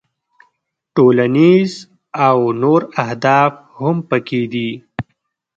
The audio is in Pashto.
ټولنیز او نور اهداف هم پکې دي.